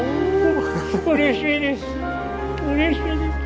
うれしいです。